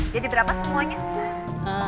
jadi berapa semuanya